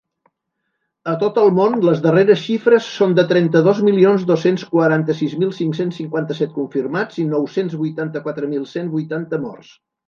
A tot el món, les darreres xifres són de trenta-dos milions dos-cents quaranta-sis mil cinc-cents cinquanta-set confirmats i nou-cents vuitanta-quatre mil cent vuitanta morts.